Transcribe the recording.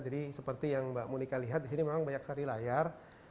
jadi seperti yang mbak monika lihat di sini memang banyak sekali layar